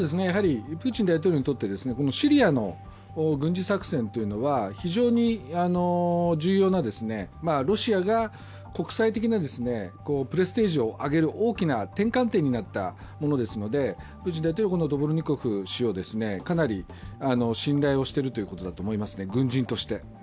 プーチン大統領にとってシリアの軍事作戦というのが非常に重要な、ロシアが国際的なプレステージを上げる大きな転換点になったものですので、プーチン大統領はドボルニコフ氏をかなり信頼をしているということだと思いますね、軍人として。